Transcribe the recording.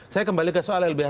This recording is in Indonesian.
saya kembali ke soal lbh